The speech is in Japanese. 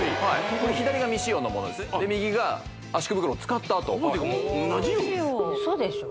これ左が未使用のものですねで右が圧縮袋を使ったあともう同じよ？